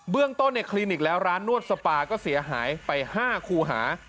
เรื่องต้นในคลินิกแล้วร้านนวดสปาก็เสียหายไป๕คูหา